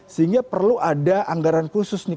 sehingga perlu ada anggaran khusus nih